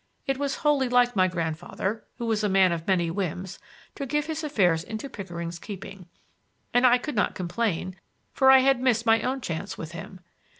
It was wholly like my grandfather, who was a man of many whims, to give his affairs into Pickering's keeping; and I could not complain, for I had missed my own chance with him.